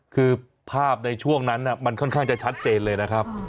คือภาพในช่วงนั้นมันค่อนข้างจะชัดเจนเลยนะครับ